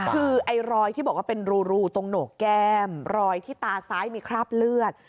คือไอ้รอยที่บอกว่าเป็นรูตรงโหนกแก้มรอยที่ตาซ้ายมีคราบเลือด